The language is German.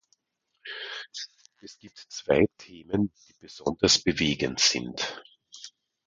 Es gibt zwei Themen, die besonders bewegend sind.